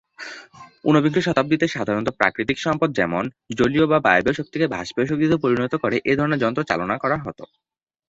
উনবিংশ শতাব্দীতে সাধারণত প্রাকৃতিক সম্পদ যেমন, জলীয় বা বায়বীয় শক্তিকে বাষ্পীয় শক্তিতে পরিণত করে এ ধরনের যন্ত্র চালানো হত।